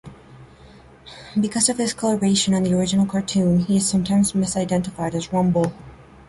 Because of his coloration on the original cartoon, he is sometimes misidentified as Rumble.